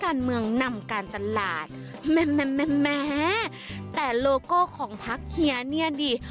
นำการตลาดแม่แต่โลโก้ของพักเฮียเนี่ยดิ